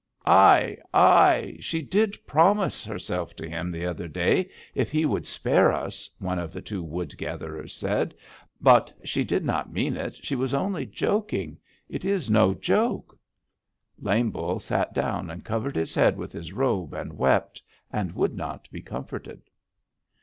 "'Ai! Ai! She did promise herself to him the other day, if he would spare us,' one of the two wood gatherers said, 'but she did not mean it; she was only joking. It is no joke!' "Lame Bull sat down and covered his head with his robe, and wept, and would not be comforted.